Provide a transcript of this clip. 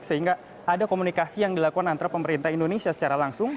sehingga ada komunikasi yang dilakukan antara pemerintah indonesia secara langsung